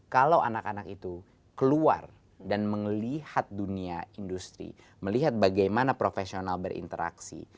kalau anak anak itu keluar dan melihat dunia industri melihat bagaimana profesional berinteraksi